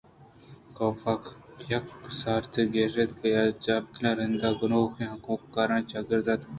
کافءَ یک گینسارتے کش اِت کہ چہ ابدالیں کارندہ ءُگنوکیں ہمکارانی چاگرد ءَ در اتکگ اَت